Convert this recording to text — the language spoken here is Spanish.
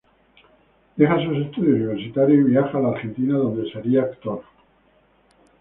Deja sus estudios universitarios y viaja a la Argentina donde se haría actor.